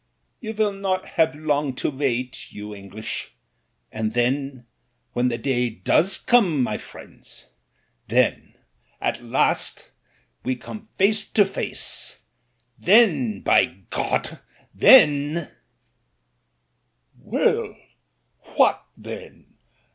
You will not have long to wsut, you English, and then — ^when the day does come, my friends; when, at last, we come face to face, then, by God ! then " "Well, what then.